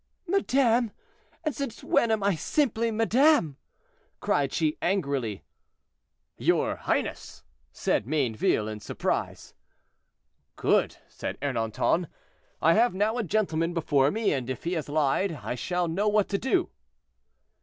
"Madame! And since when am I simply madame?" cried she angrily. "Your highness!" said Mayneville, in surprise. "Good!" said Ernanton, "I have now a gentleman before me, and if he has lied, I shall know what to do."